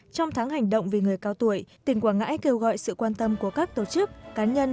trong tháng hành động vì người cao tuổi tỉnh quảng ngãi kêu gọi sự quan tâm của các tổ chức cá nhân